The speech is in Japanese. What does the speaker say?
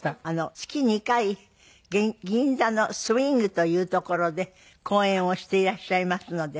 月２回銀座のＳｗｉｎｇという所で公演をしていらっしゃいますので。